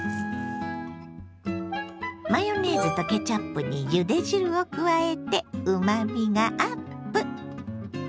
マヨネーズとケチャップにゆで汁を加えてうまみがアップ！